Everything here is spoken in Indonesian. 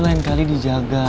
tentu lain kali dijaga